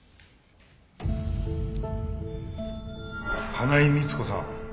花井美津子さん